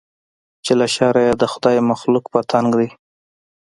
چې له شره یې د خدای مخلوق په تنګ دی